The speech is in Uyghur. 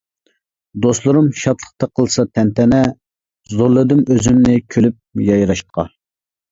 دوستلىرىم شادلىقتا قىلسا تەنتەنە، زورلىدىم ئۆزۈمنى كۈلۈپ يايراشقا.